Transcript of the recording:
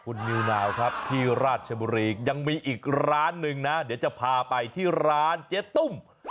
คุณนิวนาวครับที่ราชบุรียังมีอีกร้านหนึ่งนะเดี๋ยวจะพาไปที่ร้านเจ๊ตุ้ม